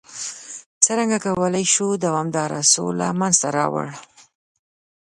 څرنګه کولای شو دوامداره سوله منځته راوړ؟